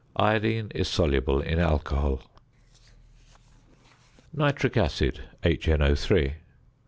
Iodine is soluble in alcohol. ~Nitric Acid, HNO_.~ (Sp.